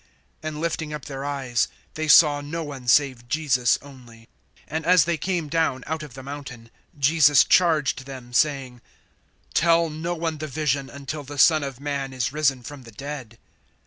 (8)And lifting up their eyes, they saw no one save Jesus only. (9)And as they came down out of the mountain, Jesus charged them, saying: Tell no one the vision, until the Son of man is risen from the dead.